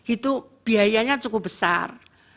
itu biayanya cukup besar